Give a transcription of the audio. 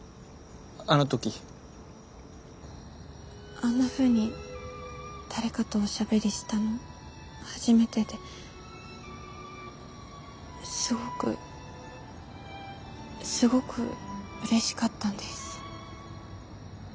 あんなふうに誰かとおしゃべりしたの初めてですごくすごくうれしかったんです。